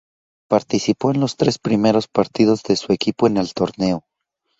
Participó en los tres primeros partidos de su equipo en el torneo.